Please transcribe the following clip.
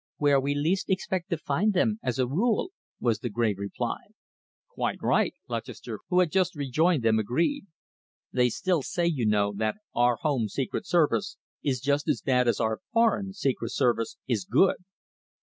"Where we least expect to find them, as a rule," was the grave reply. "Quite right," Lutchester, who had just rejoined them, agreed. "They still say, you know, that our home Secret Service is just as bad as our foreign Secret Service is good."